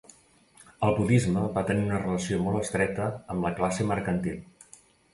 El budisme va tenir una relació molt estreta amb la classe mercantil.